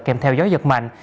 kèm theo gió giật mạnh